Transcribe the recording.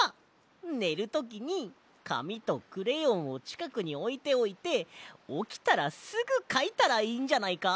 ねるときにかみとクレヨンをちかくにおいておいておきたらすぐかいたらいいんじゃないか？